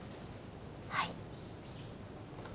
はい。